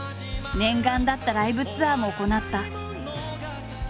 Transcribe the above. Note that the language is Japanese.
念願だったライブツアーも行った。